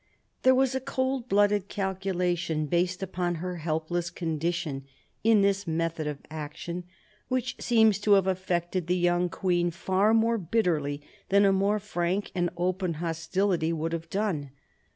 There was a cold blooded calculation, based upon her helpless condition, in this method of action, which seems to have, affected the young queen far more bitterly than a more frank and open hostility would have done.